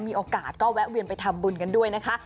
มีโอกาสก็แวะเวียนไปทำบุญกันด้วยนะคะ